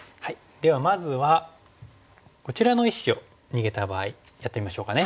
ではまずはこちらの１子を逃げた場合やってみましょうかね。